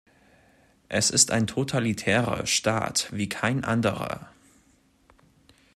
Es ist ein totalitärer Staat wie kein anderer.